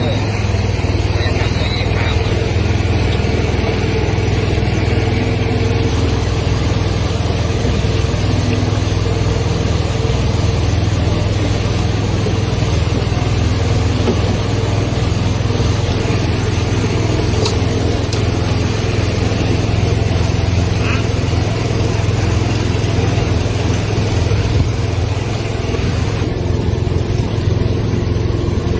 สวัสดีครับ